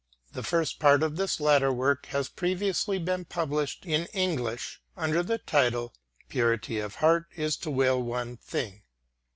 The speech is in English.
The first part of this latter work has previously been published in English under the title: Purity of Heart Is to Will One Thing.